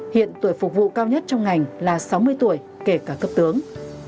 hiện tuổi phục vụ cao nhất trong ngành là sáu mươi tuổi kể cả cấp tướng